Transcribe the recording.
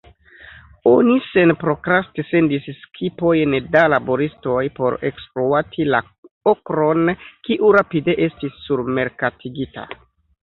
Oni senprokraste sendis skipojn da laboristoj por ekspluati la okron, kiu rapide estis surmerkatigita.